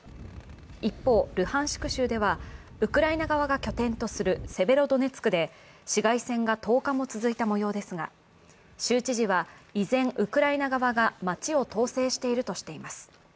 一方、ルハンシク州ではウクライナ側が拠点とするセベロドネツクで市街戦が１０日も続いたもようですが州知事は、依然、ウクライナ側が街を統制しているとしています。